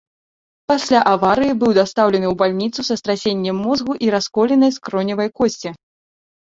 Пасля аварыі быў дастаўлены ў бальніцу са страсеннем мозгу і расколінай скроневай косці.